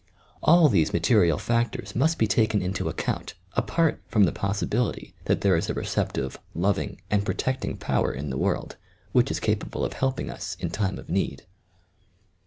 All these material factors must be taken into account, apart from the [wssibility that there is a receptive, loving and protecting power in the world, which is capable of helping ua in time of need.